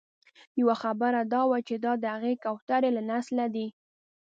یوه خبره دا وه چې دا د هغه کوترې له نسله دي.